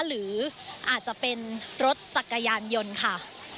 หรืออาจจะเป็นรถจักรยานยนต์ค่ะ